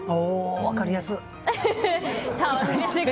分かりやすい。